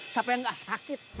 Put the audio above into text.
sampai gak sakit